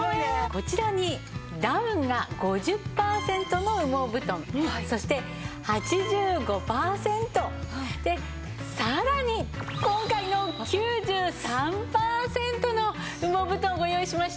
こちらにダウンが５０パーセントの羽毛布団そして８５パーセントでさらに今回の９３パーセントの羽毛布団ご用意しました。